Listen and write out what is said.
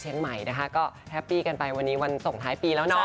ใหม่นะคะก็แฮปปี้กันไปวันนี้วันส่งท้ายปีแล้วเนาะ